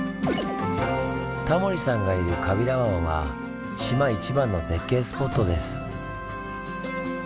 タモリさんがいる川平湾は島一番の絶景スポットです。